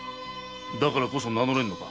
だからこそ名乗れぬのか。